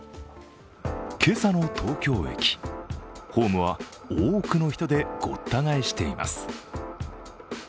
今朝の東京駅、ホームは多くの人でごった返しています。